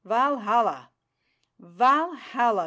_Valhalla! Valhalla!